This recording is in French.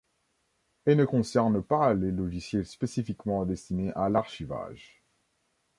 Elle ne concerne pas les logiciels spécifiquement destinés à l'archivage.